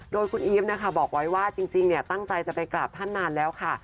โดยคุณอีฟนะคะบอกไว้ว่าจริงตั้งใจจะไปกราบท่านนานแล้วค่ะ